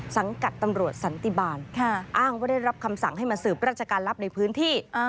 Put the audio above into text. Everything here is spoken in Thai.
สังกัดตำรวจสันติบาลอ้างว่าได้รับคำสั่งให้มาสืบราชการลับในพื้นที่